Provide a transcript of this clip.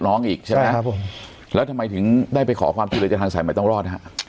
น้องอีกใช่ไหมครับผมแล้วทำไมถึงได้ไปขอความช่วยเหลือจากทางสายใหม่ต้องรอดฮะ